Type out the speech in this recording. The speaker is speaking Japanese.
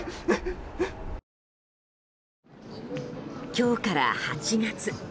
今日から８月。